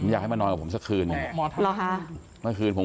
อยากให้มานอนกับผมสักคืน